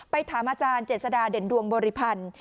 ถามอาจารย์เจษฎาเด่นดวงบริพันธ์